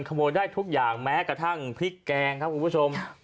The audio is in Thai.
ขโมยได้ทุกอย่างแม้กระทั่งพริกแกงครับคุณผู้ชม